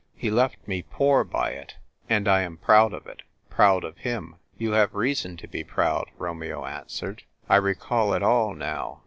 He left me poor by it ; and I am proud of it — proud of him." "You have reason to be proud," Romeo answered. "I recall it all now.